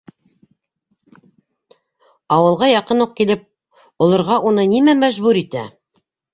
Ауылға яҡын уҡ килеп олорға уны нимә мәжбүр итә?